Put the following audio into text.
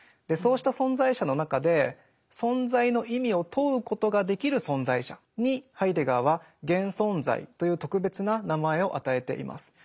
そうした存在者の中で存在の意味を問うことができる存在者にハイデガーは「現存在」という特別な名前を与えています。